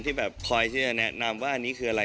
ที่คอยนำว่าอันนี้คืออะไร